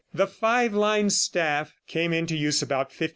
The five line staff came into use about 1500.